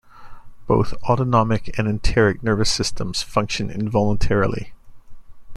Both autonomic and enteric nervous systems function involuntarily.